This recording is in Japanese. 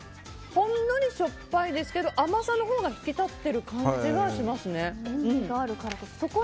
ほんのりしょっぱいですけど甘さのほうが引き立ってる感じがしますね。